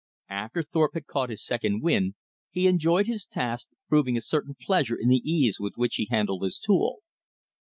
After Thorpe had caught his second wind, he enjoyed his task, proving a certain pleasure in the ease with which he handled his tool.